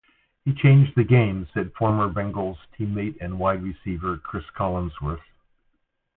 "He changed the game," said former Bengals teammate and wide receiver Cris Collinsworth.